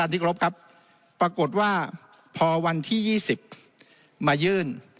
ที่กรบครับปรากฏว่าพอวันที่๒๐มายื่น